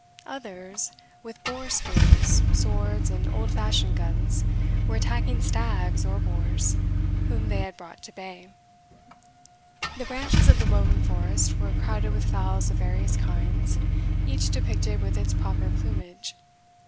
Others, with boar spears, swords, and old fashioned guns, were attacking stags or boars whom they had brought to bay. The branches of the woven forest were crowded with fowls of various kinds, each depicted with its proper plumage.